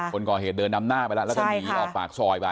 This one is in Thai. คนก่อเหตุเดินดำหน้าเบล้าใช่